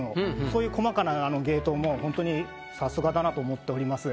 そういう細かな芸当もほんとにさすがだなと思っております。